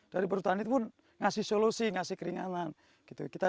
dari perhutani itu pun ngasih solusi ngasih keringanan gitu